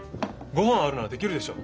ご飯あるならできるでしょ。